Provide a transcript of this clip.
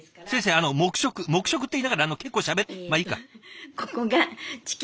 あの黙食黙食って言いながら結構しゃべってまあいいか。